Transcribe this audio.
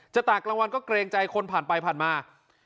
ตากกลางวันก็เกรงใจคนผ่านไปผ่านมา